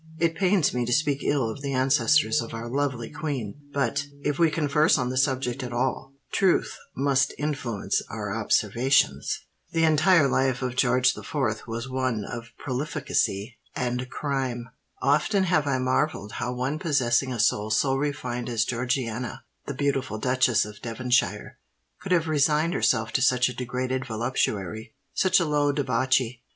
It pains me to speak ill of the ancestors of our lovely queen: but—if we converse on the subject at all—truth must influence our observations. The entire life of George the Fourth was one of profligacy and crime. Often have I marvelled how one possessing a soul so refined as Georgiana, the beautiful Duchess of Devonshire, could have resigned herself to such a degraded voluptuary—such a low debauchee.